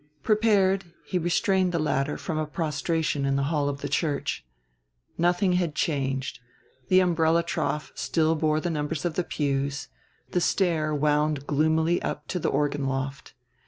Prepared, he restrained the latter from a prostration in the hall of the church. Nothing had changed: the umbrella trough still bore the numbers of the pews, the stair wound gloomily up to the organ loft.